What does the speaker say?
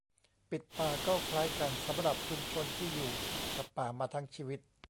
"ปิดป่า" ก็คล้ายกันสำหรับชุมชนที่อยู่กับป่ามาทั้งชีวิต